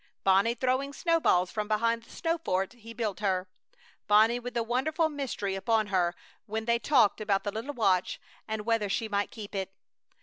Bonnie throwing snowballs from behind the snow fort he built her. Bonnie with the wonderful mystery upon her when they talked about the little watch and whether she might keep it.